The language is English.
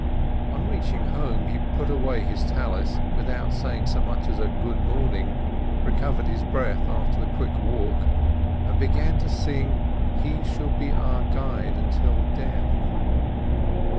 On reaching home, he put away his prayer scarf without saying so much as good morning, recovered his breath after the quick walk, and began to sing, "He shall be our guide until death."